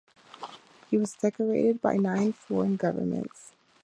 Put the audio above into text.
He was decorated by nine foreign governments.